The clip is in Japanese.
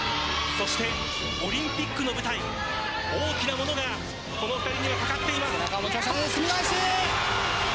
そしてオリンピックの舞台大きなものがこの２人にはかかっています。